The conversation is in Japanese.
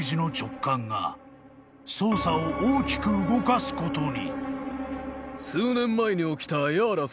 ［捜査を大きく動かすことに］